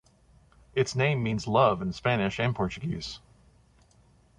Its name means "love" in Spanish and Portuguese.